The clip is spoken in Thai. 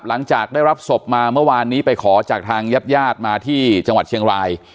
หลังจากได้รับศพมาเมื่อวานนี้ไปขอจากทางญาติญาติมาที่จังหวัดเชียงราย